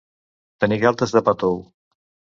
Tenir galtes de pa tou.